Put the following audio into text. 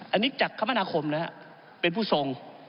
อันนี้จากคมนาคมนะครับเป็นผู้ทรง